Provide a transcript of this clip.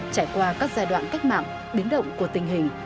trải qua các giai đoạn cách mạng biến động của tình hình